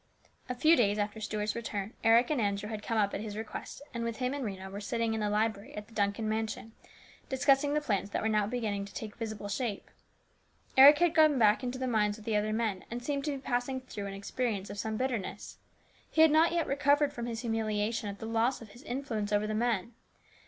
A few days after Stuart's return, Eric and Andrew had come up at his request, and with him and Rhena were sitting in the library at the Duncan mansion, discussing the plans that were now beginning to take visible shape. Eric had gone back into the mines with the other men, and seemed to be passing through an experience of some bitterness. He had not yet recovered from his humiliation at the loss of his influence over the men.